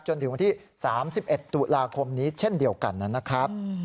จนถึงวันที่๓๑ตุลาคมนี้เช่นเดียวกันนะครับ